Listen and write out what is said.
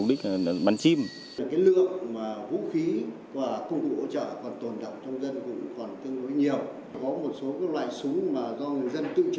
có một số loại súng mà do người dân tự chế thông qua cái mạng để người ta nghiên cứu và người ta tự chế